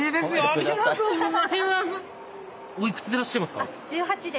ありがとうございます！